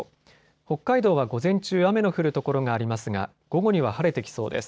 北海道は午前中、雨の降る所がありますが午後には晴れてきそうです。